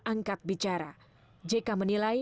angkat bicara jk menilai